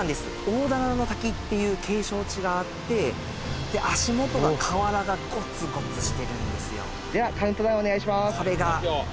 大棚の滝っていう景勝地があって足元が河原がゴツゴツしてるんですよ・ではカウントダウンお願いします